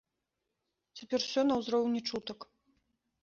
Цяпер ўсё на ўзроўні чутак.